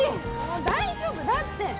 もう大丈夫だって！